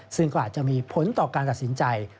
ซึ่งก็อาจจะมีผลต่อการตัดสินใจ